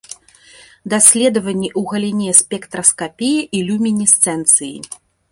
Даследаванні ў галіне спектраскапіі і люмінесцэнцыі.